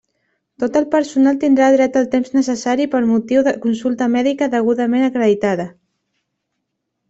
Tot el personal tindrà dret al temps necessari per motiu de consulta mèdica degudament acreditada.